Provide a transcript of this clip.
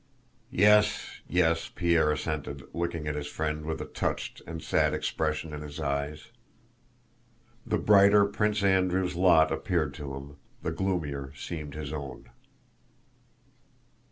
"Yes, yes," Pierre assented, looking at his friend with a touched and sad expression in his eyes. The brighter Prince Andrew's lot appeared to him, the gloomier seemed his own.